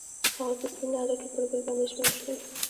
هغوی په سپین لاره کې پر بل باندې ژمن شول.